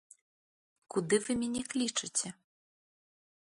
Куды вы мяне клічаце?